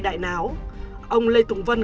đại náo ông lê tùng vân